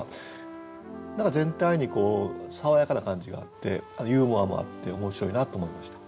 何か全体に爽やかな感じがあってユーモアもあって面白いなと思いました。